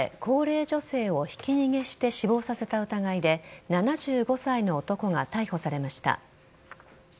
茨城県で高齢女性をひき逃げして死亡させた疑いで７５歳の男が逮捕されました。